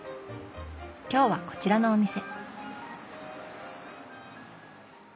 今日はこちらのお店。